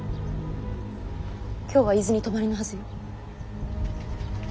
今日は伊豆に泊まりのはずよ。